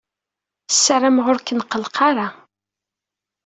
Ssarameɣ ur k-nqelleq ara.